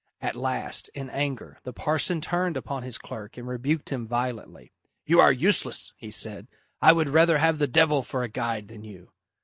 At last, in anger, the parson turned upon his clerk and rebuked him violently. "You are useless," he said; "I would rather have the devil for a guide than you."